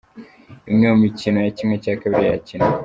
Imwe mu mikino ya ½ yakinwe:.